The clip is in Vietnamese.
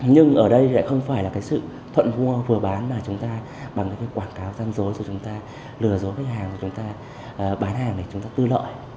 nhưng ở đây lại không phải là cái sự thuận mua vừa bán mà chúng ta bằng cái quảng cáo gian dối cho chúng ta lừa dối khách hàng của chúng ta bán hàng để chúng ta tư lợi